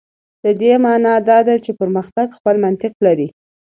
د دې معنا دا ده چې پرمختګ خپل منطق لري.